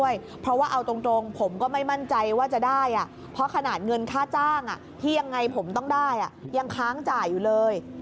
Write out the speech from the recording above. ยังไงผมต้องได้ยังค้างจ่ายอยู่เลย